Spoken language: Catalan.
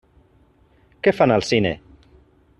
Què fan al cine?